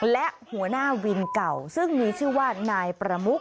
และหัวหน้าวินเก่าซึ่งมีชื่อว่านายประมุก